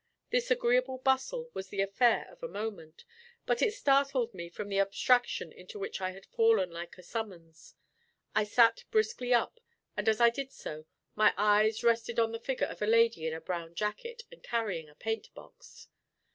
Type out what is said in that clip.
This agreeable bustle was the affair of a moment, but it startled me from the abstraction into which I had fallen like a summons. I sat briskly up, and as I did so, my eyes rested on the figure of a lady in a brown jacket and carrying a paint box.